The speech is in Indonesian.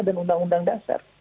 dan undang undang dasar